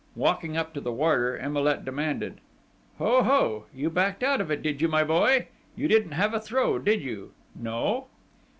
Walking up to the warder, Emilet demanded: "Ho! Ho! You backed out of it, did you, my boy?... You didn't have a throw, did you?... No?..."